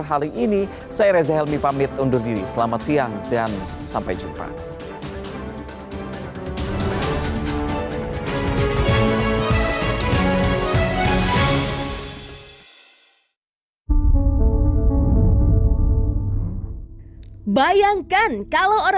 hal ini saya reza helmi pamit undur diri selamat siang dan sampai jumpa